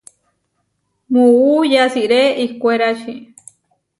Muú yasiré ihkwérači.